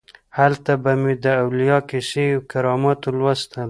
هلته به مې د اولیاو کیسې او کرامتونه لوستل.